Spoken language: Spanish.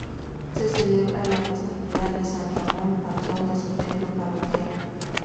Se celebra la festividad de San Ramón, patrón de su templo parroquial.